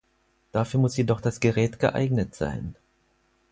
Dafür muss jedoch das Gerät geeignet sein.